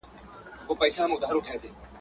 د دې واک نه ورکوي